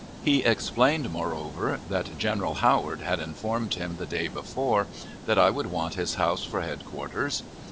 He explained, moreover, that General Howard had informed him, the day before, that I would want his house for headquarters.